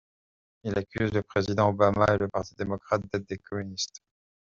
Il accuse le président Obama et le parti démocrate d'être des communistes.